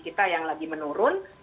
kita yang lagi menurun